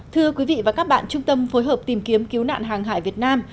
thưa quý vị và các bạn trung tâm phối hợp tìm kiếm cứu nạn hàng hải việt nam